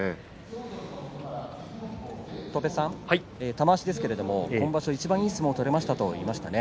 玉鷲ですけれども今場所いちばんいい相撲が取れましたと言っていました。